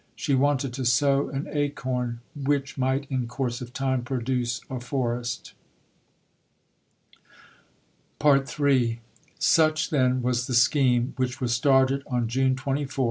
She wanted to sow an acorn which might in course of time produce a forest. III Such, then, was the scheme which was started on June 24, 1860.